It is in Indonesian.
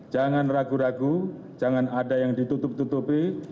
jangan ragu ragu jangan ada yang ditutup tutupi